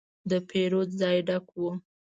د پیرود ځای ډک و.